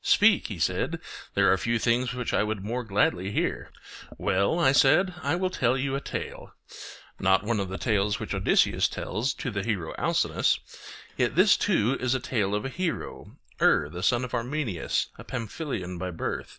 Speak, he said; there are few things which I would more gladly hear. Well, I said, I will tell you a tale; not one of the tales which Odysseus tells to the hero Alcinous, yet this too is a tale of a hero, Er the son of Armenius, a Pamphylian by birth.